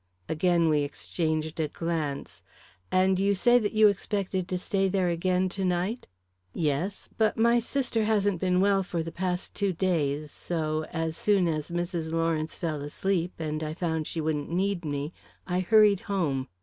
Again we exchanged a glance. "And you say that you expected to stay there again to night?" "Yes; but my sister hasn't been well for the past two days, so, as soon as Mrs. Lawrence fell asleep and I found she wouldn't need me, I hurried home.